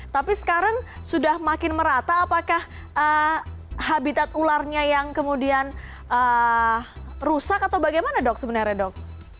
tapi sekarang sudah makin merata apakah habitat ularnya yang kemudian rusak atau bagaimana dok sebenarnya dok